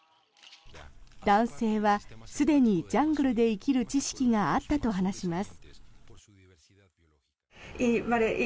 男性はすでにジャングルで生きる知識があったと話します。